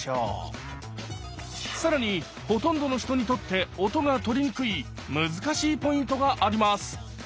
更にほとんどの人にとって音が取りにくい難しいポイントがあります